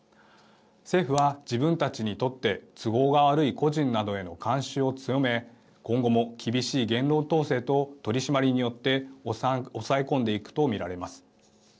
政府は自分たちにとって都合が悪い個人などへの監視を強め今後も厳しい言論統制と取締りによって押さえ込んでいくと見られます。